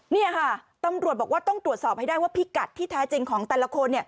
นี่ค่ะตำรวจบอกว่าต้องตรวจสอบให้ได้ว่าพิกัดที่แท้จริงของแต่ละคน